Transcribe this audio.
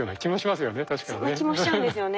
そんな気もしちゃうんですよね。